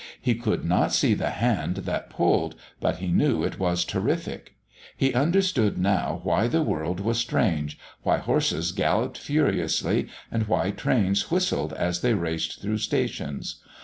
He could not see the hand that pulled, but he knew it was terrific. He understood now why the world was strange, why horses galloped furiously, and why trains whistled as they raced through stations.